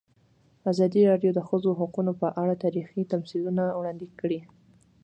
ازادي راډیو د د ښځو حقونه په اړه تاریخي تمثیلونه وړاندې کړي.